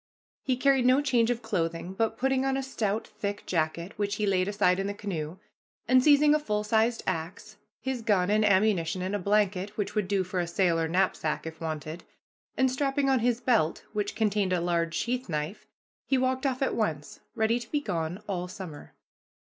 He carried no change of clothing, but, putting on a stout, thick jacket, which he laid aside in the canoe, and seizing a full sized axe, his gun and ammunition, and a blanket, which would do for a sail or knapsack, if wanted, and strapping on his belt, which contained a large sheath knife, he walked off at once, ready to be gone all summer.